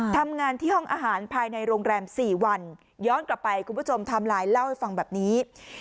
ทำงานที่ห้องอาหารภายในโรงแรม๔วันย้อนกลับไปคุณผู้ชมไทม์ไลน์เล่าให้ฟังแบบนี้